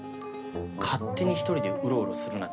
勝手に１人でウロウロするなって何回。